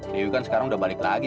dewi kan sekarang udah balik lagi